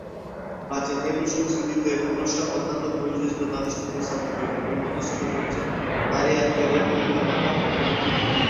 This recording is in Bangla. প্রাচীন হিব্রু সংস্কৃতিতে পুরুষরা অন্যান্য পুরুষদের সাথে তাদের সম্পর্ক স্থাপন করেছে এবং মধ্যস্থতা করেছে নারী আত্মীয়দের বিনিময়ের মাধ্যমে।